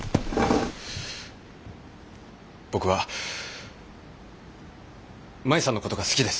僕は舞さんのことが好きです。